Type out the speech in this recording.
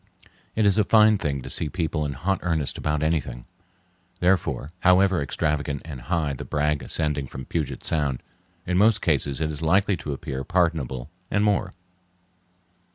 It is a fine thing to see people in hot earnest about anything; therefore, however extravagant and high the brag ascending from Puget Sound, in most cases it is likely to appear pardonable and more.